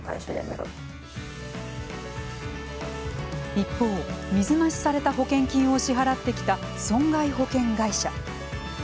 一方、水増しされた保険金を支払ってきた損害保険会社。